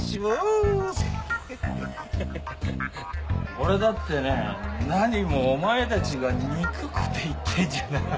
俺だってね何もお前たちが憎くて言ってんじゃないんだよ。